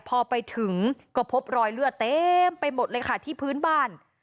พอไปถึงก็พบรอยเลือดเต็มไปหมดเลยค่ะที่พื้นบ้าน